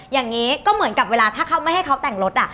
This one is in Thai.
อย่างนี้ก็เหมือนกับเวลาถ้าเขาไม่ให้เขาแต่งรถ